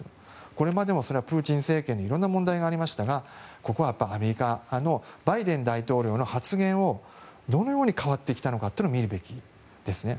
これまでもそれはプーチン政権で色んな問題がありましたがここはアメリカのバイデン大統領の発言がどのように変わってきたのかを見るべきですね。